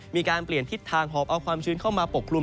มีการเปลี่ยนทิศทางหอบเอาความชื้นเข้ามาปกคลุม